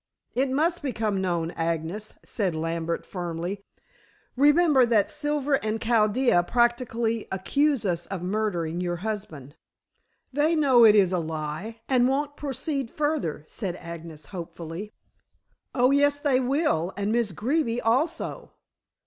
"It must become known, Agnes," said Lambert firmly. "Remember that Silver and Chaldea practically accuse us of murdering your husband." "They know it is a lie, and won't proceed further," said Agnes hopefully. "Oh, yes, they will, and Miss Greeby also."